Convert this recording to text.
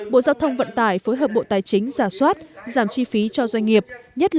bộ giao thông vận tải phối hợp bộ tài chính giả soát